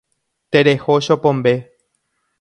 Tereho chopombe.